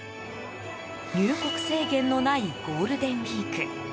入国制限のないゴールデンウィーク。